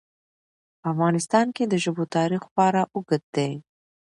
په افغانستان کې د ژبو تاریخ خورا اوږد دی.